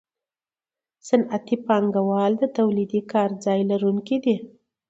صنعتي پانګوال د تولیدي کارځای لرونکي دي